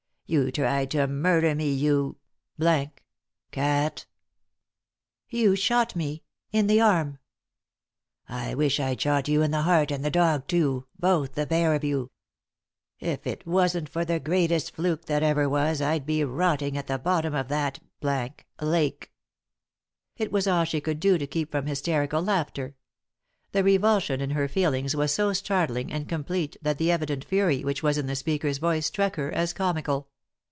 You tried to murder me, you cat." * You shot me — in the arm." N 193 r,v. .c.y,Goog\e THE INTERRUPTED KISS " I wish I'd shot you in the heart, and the dog too — both, the pair of you 1 If it wasn't for the greatest fluke that ever was I'd be rotting at the bottom of that lake 1 " It was all she could do to keep from hysterical laughter. The revulsion in her feelings was so startling and complete that the evident fury which was in the speaker's voice struck her as comical.